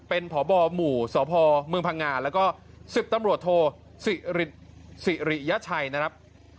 เป็นพบหมู่สพเมืองพังงาแล้วก็๑๐ตำรวจโทสิริยชัยนะครับ